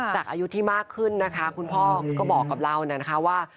อายุที่มากขึ้นนะคะคุณพ่อก็บอกกับเรานะคะว่า